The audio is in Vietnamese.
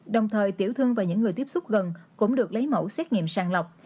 đồng thời tiểu thương và những người tiếp xúc gần cũng được lấy mẫu xét nghiệm sàng lọc